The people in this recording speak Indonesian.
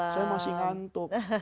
saya masih ngantuk